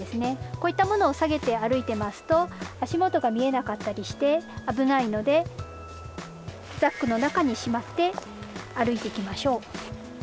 こういったものを下げて歩いてますと足元が見えなかったりして危ないのでザックの中にしまって歩いていきましょう。